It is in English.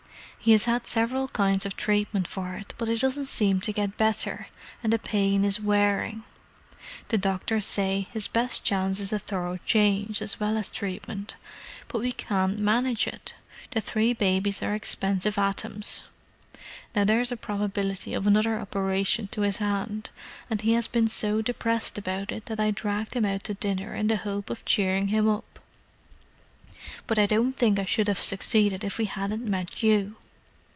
He has had several kinds of treatment for it, but it doesn't seem to get better; and the pain is wearing. The doctors say his best chance is a thorough change, as well as treatment, but we can't manage it—the three babies are expensive atoms. Now there is a probability of another operation to his hand, and he has been so depressed about it, that I dragged him out to dinner in the hope of cheering him up. But I don't think I should have succeeded if we hadn't met you."